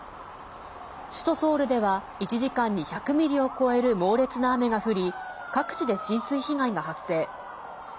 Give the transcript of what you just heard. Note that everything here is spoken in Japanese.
首都ソウルでは１時間に１００ミリを超える猛烈な雨が降り各地で浸水被害が発生。